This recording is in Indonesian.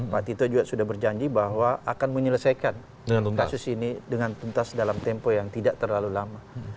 pak tito juga sudah berjanji bahwa akan menyelesaikan kasus ini dengan tuntas dalam tempo yang tidak terlalu lama